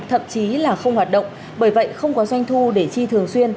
thậm chí là không hoạt động bởi vậy không có doanh thu để chi thường xuyên